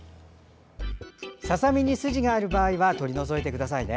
ささみに筋がある場合は取り除いてくださいね。